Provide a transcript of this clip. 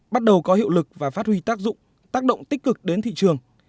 bắt đầu có hiệu lực và phát huy tác dụng tác động tích cực đến thị trường